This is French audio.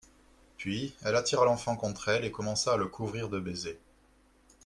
Puis, elle attira l'enfant contre elle et commença à le couvrir de baisers.